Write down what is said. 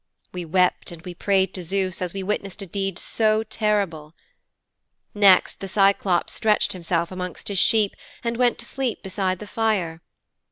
We wept and we prayed to Zeus as we witnessed a deed so terrible.' 'Next the Cyclops stretched himself amongst his sheep and went to sleep beside the fire.